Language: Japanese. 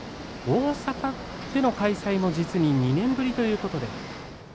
大阪での開催も実に２年ぶりということです。